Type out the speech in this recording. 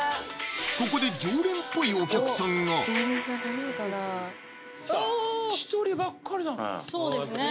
ここで常連っぽいお客さんがそうですね